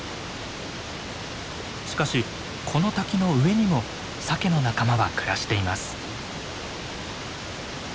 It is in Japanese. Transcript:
しかしこの滝の上にもサケの仲間は暮らしています。